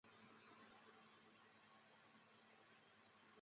所有的角龙类恐龙在白垩纪末期灭绝。